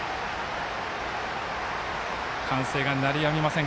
歓声が鳴り止みません